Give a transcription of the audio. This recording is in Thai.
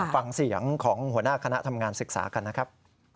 ฟังเสียงของหัวหน้าคณะทำงานศึกษากันนะครับ